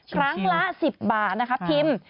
ครั้งละ๑๐บาทนะครับพิมพ์